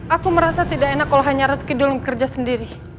aku merasa tidak enak kalau hanya ratu kidul yang bekerja sendiri